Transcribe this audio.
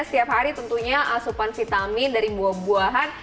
setiap hari tentunya asupan vitamin dari buah buahan